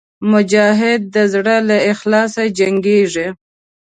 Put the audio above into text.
مجاهد د زړه له اخلاصه جنګېږي.